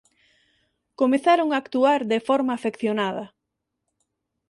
Comezaron a actuar de forma afeccionada.